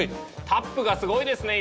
タップがすごいですね